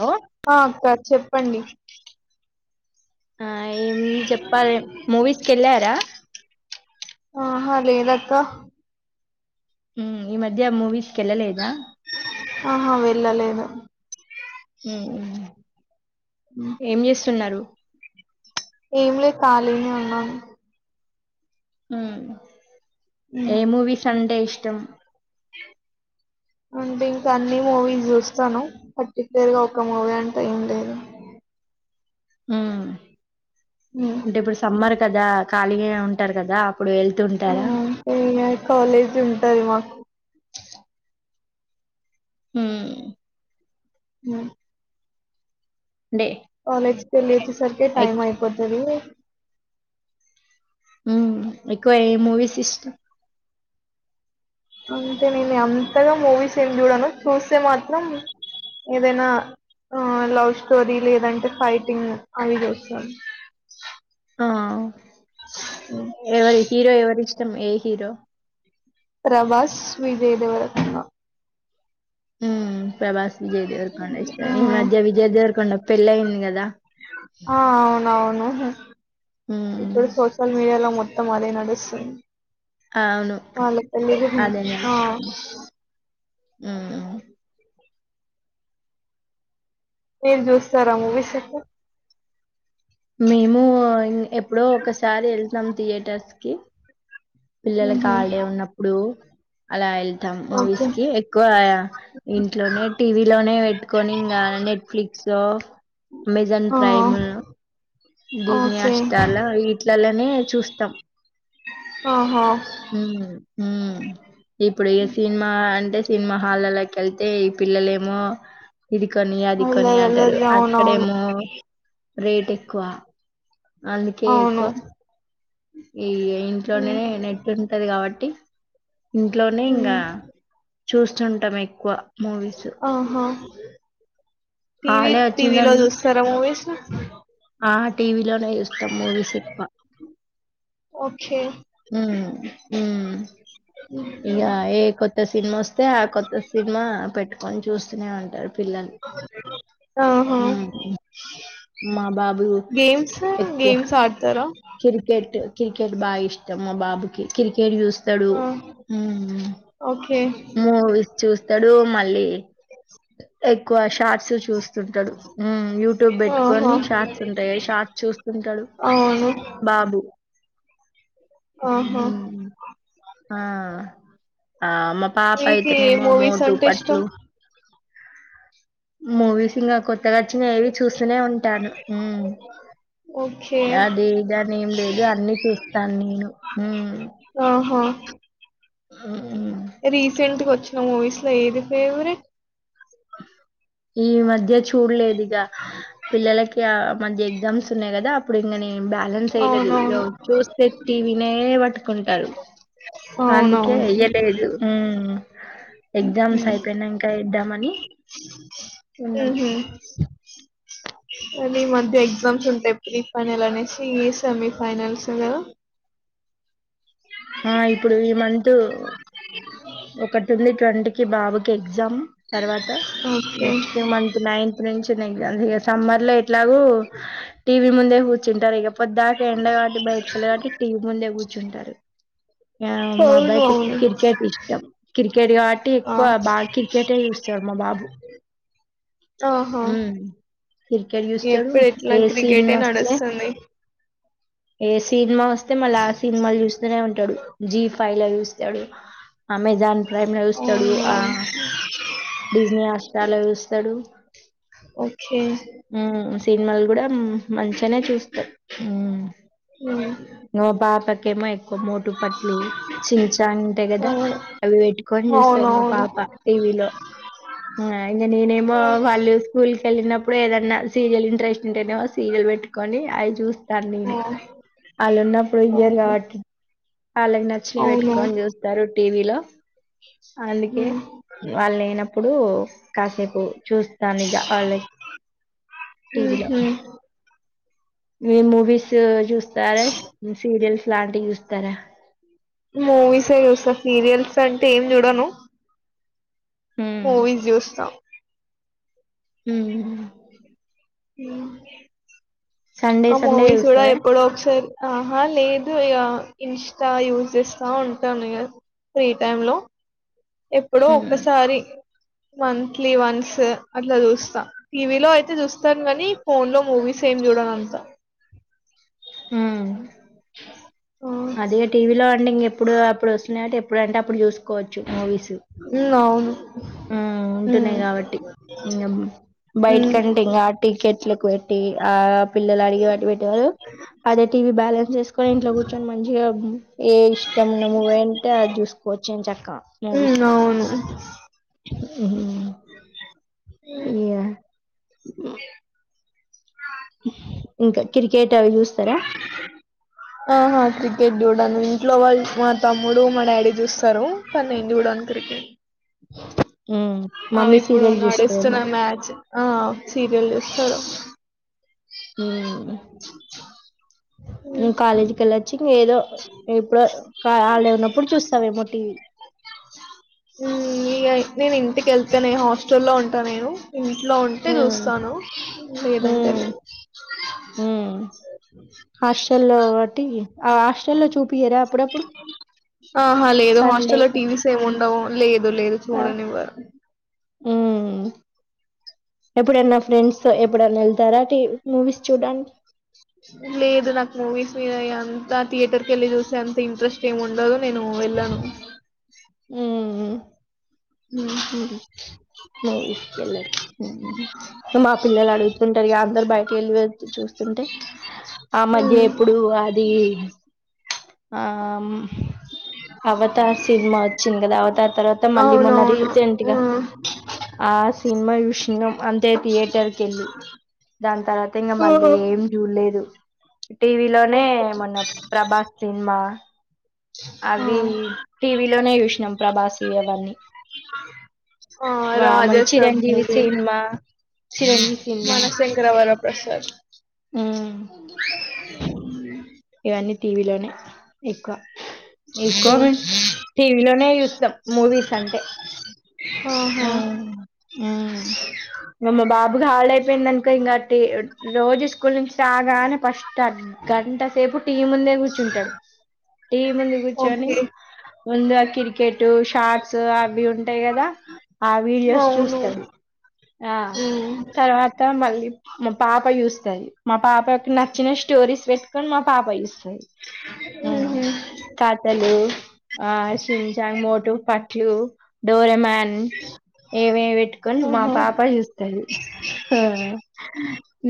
Hello ఆ అక్క చెప్పండి. ఆ ఏం చెప్పాలే మూవీస్కిళ్ళారా. ఆహ లేదక్క ఉమ్ ఈ మధ్య మూవీస్ ఆహా వెళ్ళలేదు. ఉమ్. ఏం చేస్తున్నారు. ఏంమ్లే ఖాళీగానే ఉన్నాను. ఉమ్ ఉమ్. ఏం మూవిస్ అంటే ఇష్టం. అంటే ఇంకా అన్ని మూవీస్ చూస్తాను పర్టిక్యులర్ గా ఒక్క మూవీ అంటే ఏం లేదు. [inaudible] ఉమ్ ఉమ్. అంటే ఇప్పుడు సమ్మర్ కదా ఖాళీగా ఉంటారు కదా. అప్పుడు వెళ్తుంటారా హ్మ్మ్ ఇగ కాలేజ్ ఉంటది మాకు ఉమ్ ఉ అంటే కాలేజ్ కి వెళ్లి వచ్చేసరికి టైమ్ ఎక్- అయిపోతది. హ్మ్మ్ ఎక్కువ ఏ మూవీస్ ఇష్టం అంటే నేను అంతగా మూవీస్ ఏం చూడాను చూస్తే మాత్రం ఏదైనా లవ్ స్టోరీ లేదంటే ఫైటింగ్ అవి చూస్తాం. ఆ [inaudible] ఎవరి హీరో ఎవరూ ఇష్టం ఏ హీరో ప్రభాస్ విజయ్ దేవర కొండ ఉమ్, ప్రభాస్ విజయ్ దేవరకొండ ఆ ఇష్టం ఈ మధ్య విజయ్ దేవర కొండ పెళ్ళి అయింది కదా. ఆ అవును ఉమ్, ఇప్పుడు సోషల్ మీడియాలో మొత్తం అదే నడుస్తుంది. అవును వాళ్ళకు పెళ్ళి ఆ ఉమ్ మీరు చూస్తారా మూవీస్ ఎక్కు మేము ఎప్పుడో ఒకసారి వెళ్తాం థియేటర్స్ కి పిల్లలకి ఉహు హాలడే ఉన్నప్పుడు అలా మూవీస్ ఓకే కి ఎక్కువ ఇంట్లోనే టీవీ లోనే పెట్టుకొని ఇంగా నెట్ఫ్లిక్స్ లో అమెజాన్ ఆ ప్రైమ్లో డిస్నీ ఓకే హాట్ స్టార్ ల వీట్లలనే చూస్తాం. ఆహా ఇప్పుడు ఇగా సినిమా అంటే సినిమా హాల్లకి వెళ్తే ఈ పిల్లలే ఏమో ఇది కొని అది కొని అల్లరి అంటారు అల్లరి అవునవును అక్కడేమో రేట్ ఎక్కువ అందుకే అవును ఎక్కువ ఈ ఇంట్లోనే ఉమ్ నెట్ ఉంటది కాబట్టి ఇంట్లోనే ఇంగా ఉమ్ చూస్తుంటాం ఎక్కువ మూవీస్ ఆహా టీవీ హాలిడే టీవీ లో వచ్చిందంటే చూస్తారా మూవీసు ఆ టీవీలోనే చూస్తాం మూవీస్ ఎక్కువ ఓకే ఉమ్ ఉమ్ ఇగా ఏ కొత్త సినిమా వస్తే ఆ కొత్త సినిమా పెట్టుకొని చూస్తూనే ఉంటారు పిల్లలు ఆహా హామ్ గేమ్స్ గేమ్స్ ఆడుతర కిరికెట్ క్రికెట్ బాగా ఇష్టం మా బాబుకి క్రికె చూస్తాడు ఆ ఓకే మూవీస్ చూస్తాడు మళ్ళీ ఎక్కువ షార్ట్స్ చూస్త డు యూట్యూబ్ పెట్టుకొని ఆహా షార్ట్స్ ఉంటాయి షార్ట్స్ చూస్తుంటాడు అవును బా బాబు ఆహా! హుహు ఆ ఆ మా పాప మీకు ఏ అయితేనేమో మూవీస్ మోటు అంటే ఇష్టం? పతులు మూవీసింగ కో అంతగచ్చి న ఏవి చూస్తూనే ఉంటాను ఓకే. అది దాని ఏం లేదు అన్ని చూస్తాను నేను ఉమ్ రీసెంట్గా వచ్చిన మూవీస్ లో ఏది ఫేవరెట్ ఈ మధ్య చూడలేదు ఇగా పిల్లలకి ఆ మధ్య ఎగ్జామ్స్ ఉన్నాయి కదా అప్పుడు ఇంగా నే బ్యాలెన్స్ వెయ్యలేదు ఇగా అవునవును. చూస్తే టీవినే పట్టుకుంటారు అందుకే అవునవును. ఎయ్యలేదు ఎగ్జామ్స్ హ్మ్. అయిపోయినంక ఏద్దామని ఉన్నాం కానీ ఈ మధ్య ఎగ్జామ్స్ ఉంటాయి ప్రీఫైనల్ అనేసి సెమీఫైనల్స్ లో ఆ ఇప్పుడు ఈ మంత్ ఒకటి ఉంది ట్వంటికిి బాబుకి ఎ గ్జామ్ తర్వాత ఓకే. నెక్స్ట్ మంత్ నైన్త్ నుంచి ఎగ్జామ్ సమ్మర్ లో ఇట్లాగు టీవీ ముందే కూర్చుంటారు ఇగ పొద్ద్దాకా ఎండ కాట్టి బయటికి వెళ్లారు కాబట్టి టీవీ ముందే కూర్చుంటారు ఆ మా అవును. అబ్బాయికి ఎక్కువ అవును. క్రికెట్ ఇష్టం కెట్ కాబట్టి ఆ! ఎక్కువ బాగా క్రికెటే చూస్తాడు మా బాబు ఆహా మ్మ్ క్రికెట్ చూస్తాడు ఎప్పుడు ఎట్లా ఏ క్రికెటే సినిమా వస్తే నడుస్తుంది ఏ సినిమా వస్తే మళ్ళా ఆ సినిమాలు చూస్తూనే ఉంటా అమేజాన్ ప్రైమ్ లో చూస్తాడు ఆ అవునవును. డిజనీ హాట్ స్టార్ లోచూస్తాడు ఓకే సినిమాలు కూడా మంచిగానే చూస్తారు ఉమ్ నువ పాపకేమో ఎక్కువ మోటు పట్లు చిన్ చాన్ ఉంటాయి కదా అవును. అవి పెట్టుకొని చూస్తా మా అవునవును. పాప టీవీలో నేనేమో వాళ్లు స్కూల్ వెళ్ళినప్పుడు ఏదన్నా సీరియల్ ఇంట్రెస్ట్ ఉంటేనో సీరియల్ పెట్టుకొని అవి చూస్త ఆ! టర్నిలు వాళ్ళు ఉన్నప్పుడు ఇయ్యరు ఓకే. కాబట్టి వాళ్ళకి నచ్చే వి అవును. పెట్టుకొని చూస్తారు టీవీ లో అందుకే హ్మ్. వాళ్ళు లేనప్పుడు కాసేపు చూస్తాను ఇక వాళ్ళ టీవీలో ఉహూ మీ మూవీస్ చూస్తారా సీరియల్స్ లాంటివి చూస్తారా మూవీసే చూస్తా సీరియల్స్ అంటే ఏం చూడను మ్మ్. మూవీస్ జుస్తా ఉమ్ సండే ఆ సండే మూవీస్ గూడా చూస్తారా ఎప్పుడో ఒక్కసారి ఆహా లేదు ఇక ఇంస్టా యూస్ చేస్తా ఉంటాను ఇక ఫ్రీ టైమ్ లో ఎప్పుడో ఒకసారి మంత్లీ వన్స్ అట్లా చూస్తా టీవీలో అయితే చూస్తాను కాని ఫోన్ లో మూవీస్ ఏమి చూడ నంత హ్మ్మ్ ఆ! అది హ్మ్. టీవీలో అండి ఇ ఇప్పుడు అప్పుడు వస్తున్నటు ఎప్పుడుంటే అప్పుడు చూసుకోవచ్చు మూవీస్ ఉ అవును. ఉంటున్నాయ్ హ్మ్. కాబట్టి ఇ బయట్ హ్మ్. కంటడింగా టికెట్లు పెట్టి ఆ పిల్లలు అడిగ వాట్టి పెట్టేవారు అదే టీవీ బ్యాలెన్స్ చేసుకొని ఇంట్లో కూర్చ మంచిగా ఏ ఇష్టం ఉన్న మూవీ అంటే అది చూసుకోవచ్చు ఎం చక్క మూవీస్ హ్మ్. అవును. ఉహూ ఏ ఇంకా క్రికెట్ అవి చూస్తారా ఆహా క్రికెట్ జూడను ఇట్లో వాళ్ల్ మా తమ్ముడు మా డాడీ చూస్తారు కానీ నేను చూడను క్రికెట్ అ అ ఇప్పుడు నడుస్తున్న మ్యాచ్ ఆ సీరియల్ ఇస్తారు హ్మ్మ్ ఏం ఉమ్, కాలేజీ కెల్లా ఏదో ఇప్పుడో వాళ్ళు ఉన్నప్పుడు చూస్తావేమో టీవీ ఇ నేను ఇంటికి వెళ్తానే హాస్టల్లో ఉంటా నేను ఇంట్లో ఉంటే మ్మ్ చూస్తాను ఏదంటే నే ఉమ్ హాస్టల్లో ఒకటి హాస్టల్లో చూపిించరా అప్పుడప్పుడు ఆహా లేదు సండే హాస్టల్లో లో టీవీస్ ఏమి ఉండవు లేదు లేదు ఆ చూడనివ్వారు ఎప్పుడైన్నా ఫ్రెండ్స్ తో ఎప్పుడన్నా వెళ్తారాటీ మూవీస్ చూడండి లేదు నాకు మూవీస్ మీద అంత థియేటర్ క వెళ్ళి చూసిే అంత ఇంట్రెస్ట్ ఏమి ఉండదు నేను వెళ్ళాను హ్మ్మ్ ఉమ్, హు ఇసుకెళ్ళ మా పిల్లలు అడుగుతుంటారు అందరు బయటకి వెళ్ళి చూస్తే అం టే ఆ మధ్య ఉమ్, ఎప్పుడు అది ఆ అవతార్ సినిమా వచ్చింది కదా అవతార్ తర్వాత మళ్ళీ మొన్న రీసెంట్ గా అవునవును ఆ సినిమా విషయం అంతే థియేటర్కి వెళ్ళి దాని తర్వాత ఇంకా మళ్ళీ ఏం చూడలేదు టీవీ లోనే ఓకే మన ప్రభాస్ ఆ అవి టీవీలోనే చూసినాం ప్రభాస్ అవన్నీ ఆ వా మన రాజసబ్ చిరంజీవి మూవీ సినిన్మా చిరంజీవి సినిమా మనశంకరవర ప్రసాద్ ఉమ్ ఇవన్నీ టీవీలోనే ఎక్కువ ఎక్కువ టీవీలోనే చూస్తాం మూవీస్ అంటే ఆహా మ్మ్ మ్మ్ మమ్మ బాబుకి హాలిడే పోయిందనుకో ఇం కాట్టి రోజు స్కూల్ నుంచి రాగానే ఫస్ట్ గంట సేపు టీవి మందే కూర్చుంటాడు టీవి ముందు కూర్చొని ఓకే ముందుగా క్రికెట్ షార్ట్స్ అవి ఉంటాయి కదా ఆ వీడియోస్ అవును చూస్తాడు ఆ మ్మ్ తర్వాత లీ మా పాప చూస్తాది మా పాపకీ నచ్చిన స్టోరీస్ పెట్టుకొని మా పాప చూస్తా కాటలు ఆ షీన్ శ్యాన్ మోటూ పట్లు డోరెమన్ ఏమేమి పెట్టుకని మా ఆహా పాప చూస్తది ఆ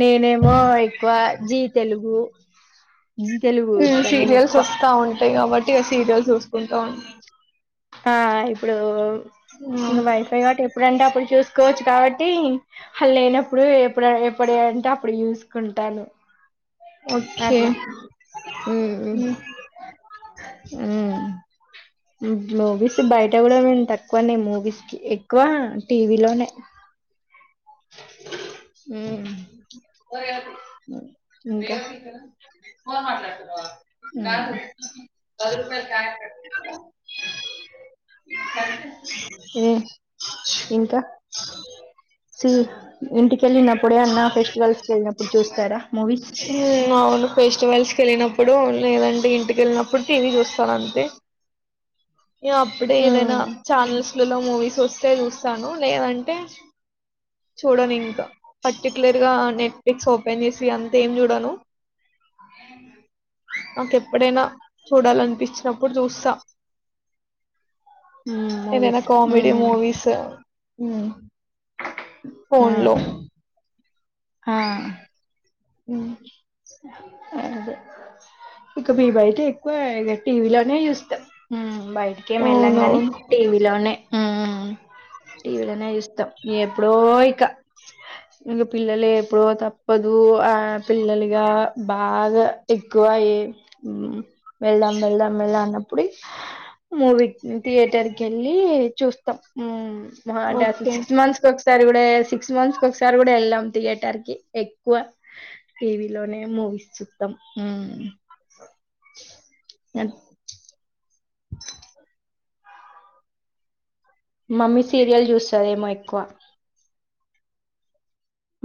నేనే ఏమో ఎక్కువ జీ తెలుగు జీ తెలుగు చూస్తా నేను సీరియల్స్ ఎక్కువ వస్తా ఉంటాయి కాబట్టి ఆ సీరియల్స్ చూసుకుంటా ఉంటా ఆ ఇప్పుడు ఇక వైఫై కాబట్టి ఎప్పుడంటే అప్పుడు చూసుకోవచ్చు కాబట్టి అళ్ళు లేనప్పుడు ఎప్పుడు ఎప్పుడ అంటే అప్పుడు చూసుకుంటాను ఓకే అట్లా మ్మ్ మ్మ్ గ్లోబీసి బయట కూడా వింటా ఎక్కున్నా మూవీస్ కి ఎక్కువ టీవీలోనే మ్మ్ ఫోన్ మాట్లాడుతున్నావా పది రూపాయలు అ ఇంకా సి ఇంటికెళ్ళినప్పుడే అన్నా ఫెస్టివల్స్ కి వెళ్ళినప్పుడు అన్నా చూస్తారా మూవీస్ అవును ఫెస్టివల్స్కి వెళ్ళినప్పుడు అవును లేదంటే ఇంటికి కి వెళ్ళినప్పుటి టివి చూస్తారు అంతే నేను అప్పుడే ఏదైనా ఉమ్ ఛానల్స్ లో మూవీస్ వస్తే చూస్తాను లేదంటే చూడను ఇంకా పర్టికులర్ గా నెట్ఫ్లిక్స్ ఓపెన్ చేసి అంత ఏం చూడాను నాకు ఎప్పుడైనా చూడాలనిపిస్ అప్పుడు చూస్తా ఉమ్ ఏదైనా మూవీస్ కామెడీ ఉమ్ మూవీస్ హ్మ్ ఆ ఫోన్ లో ఆ హ్మ్ అది ఇక మీ బైతే ఎక్కువ ఇగా టీవీలోనే చూస్తారు బయటికేం వెళ్ళం కాని అవునవును టీవీలోనే మ్మ్ టీవీలనే చూస్తాం ఎప్పుడో ఇక్క ఇక పిల్లలే ఎప్పుడో తప్పదు లు అ పిలలు ఇగ బాగా ఎక్కువ అయ వెళ్దాం వెళ్దాం వెల్దన్న ఇప్పుడి మూవీ థియేటర్కెళ్ళి చూస్తాం. మా అంటే ఆ ఓకే సిక్స్ మంత్స్ ఒకసారి గుడా సిక్స్ మంత్స్కొకసారి కూడా ఎళ్ళాం థియేటర్కి ఎక్కువ టీవీ లోనే మూవీ చూస్తాం. మ్ అ మమ్మీ సీరియల్ చూస్తాదేమో ఎక్కువ